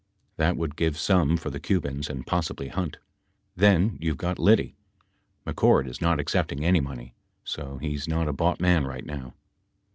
That would give some for the Cubans and possibly Hunt. Then you've got Liddy. McCord is not accepting any money. So he is not a bought man right now.